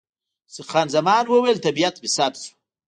خان زمان وویل، طبیعت مې سم شو.